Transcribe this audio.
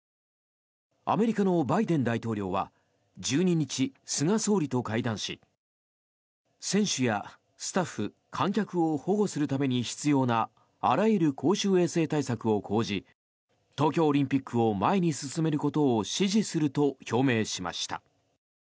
アメリカのバイデン大統領は１２日、菅総理と会談し選手やスタッフ、観客を保護するために必要なあらゆる公衆衛生対策を講じ東京オリンピックを前に進めることを支持すると表明しました。